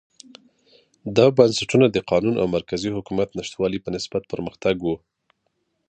دا بنسټونه د قانون او مرکزي حکومت نشتوالي په نسبت پرمختګ و.